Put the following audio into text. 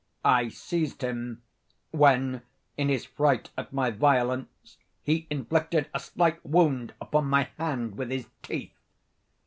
I seized him; when, in his fright at my violence, he inflicted a slight wound upon my hand with his teeth.